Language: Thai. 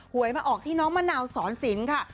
หวยมาออกที่น้องมะนาอธิษฐ์สอนศริงค่ะ